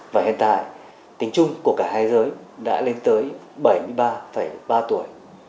và hiện tại tính chung của cả hai giới đã lên tới bảy mươi ba ba tuổi